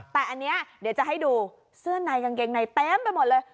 แต่อันนี้เดี๋ยวจะให้ดูเสื้อในกางเกงในเต็มไปหมดเลย